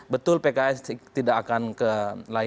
betul pks tidak akan kembali